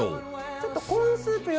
ちょっと。